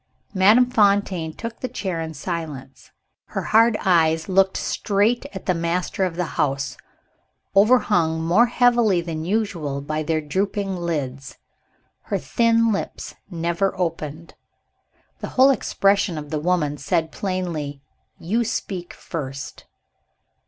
Madame Fontaine took the chair in silence. Her hard eyes looked straight at the master of the house, overhung more heavily than usual by their drooping lids. Her thin lips never opened. The whole expression of the woman said plainly, "You speak first!"